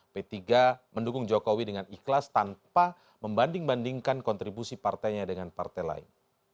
p tiga mendukung jokowi dengan ikhlas tanpa membanding bandingkan kontribusi partainya dengan partai lain